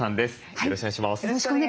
よろしくお願いします。